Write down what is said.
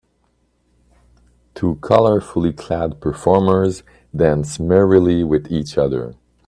Two colorfully clad performers dance merrily with each other.